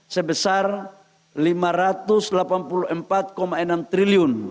sebesar rp lima ratus delapan puluh empat enam triliun